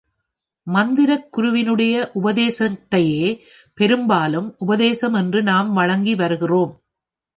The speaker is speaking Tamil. மந்திர குருவினுடைய உபதேசத்தையே பெரும்பாலும் உபதேசம் என்று நாம் வழங்கி வருகிறோம்.